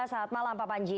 selamat malam pak panji